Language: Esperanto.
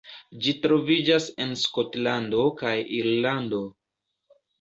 Ĝi troviĝas en Skotlando kaj Irlando.